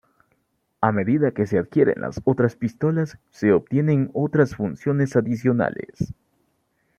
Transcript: A medida que se adquieren las otras pistolas, se obtienen otras funciones adicionales.